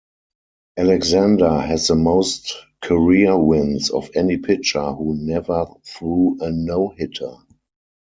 Alexander has the most career wins of any pitcher who never threw a no-hitter.